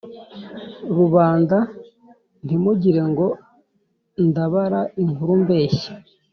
rubanda ntimugire ngo ndabara inkuru mbeshya